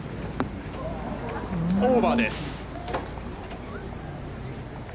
オーバーです。